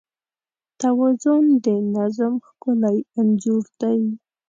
توازن د نظم ښکلی انځور دی.